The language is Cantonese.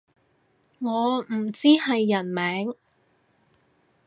我唔知係人名